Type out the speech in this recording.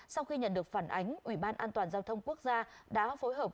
sau khi nhận được phản ánh ủy ban an toàn giao thông quốc gia đã phối hợp